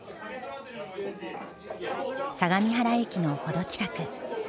相模原駅の程近く。